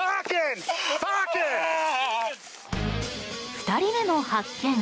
２人目も発見。